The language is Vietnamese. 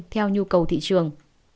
theo nhu cầu thị trường